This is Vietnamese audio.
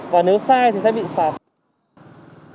và nếu sai thì sẽ bị phạt